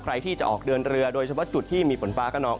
ใครที่จะออกเดินเรือโดยเฉพาะจุดที่มีฝนฟ้ากระนอง